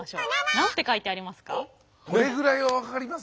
何て書いてありますか？